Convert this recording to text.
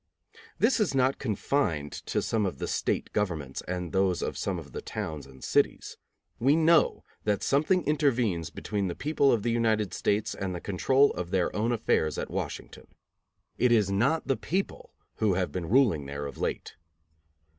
This is not confined to some of the state governments and those of some of the towns and cities. We know that something intervenes between the people of the United States and the control of their own affairs at Washington. It is not the people who have been ruling there of late.